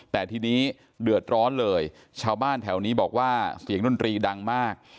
แต่ทีนี้เดือดร้อนเลยชาวบ้านแถวนี้บอกว่าเสียงดนตรีดังมาก